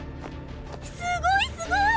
すごいすごい！